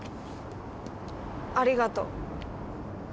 ありがとう。